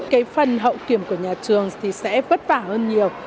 cái phần hậu kiểm của nhà trường thì sẽ vất vả hơn nhiều